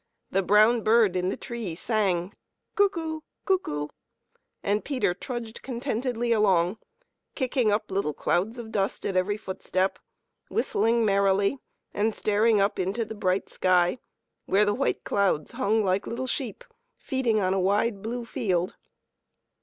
The brown bird in the tree sang, " cuckoo ! cuckoo !" and Peter trudged contentedly along, kicking up little clouds of dust at every footstep, whistling merrily and staring up into the bright sky, where the white clouds hung like little sheep, feeding on the wide blue field.